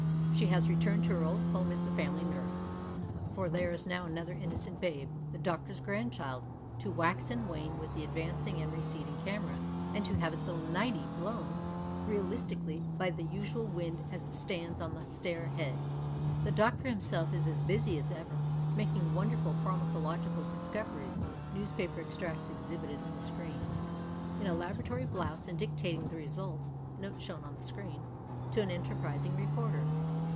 She has returned to her old home as the family nurse. For there is now another innocent babe, the doctor's grandchild, to wax and wane with the advancing and receding camera, and to have its little " nightie " blown realistically by the usual wind as it stands on the stair head. The doctor himself is as busy as ever, making wonderful pharmacological discoveries (news paper extracts exhibited on the screen) in a labora tory blouse and dictating the results (notes shown on the screen) to an enterprising reporter.